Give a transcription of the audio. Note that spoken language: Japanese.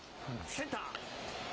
センター。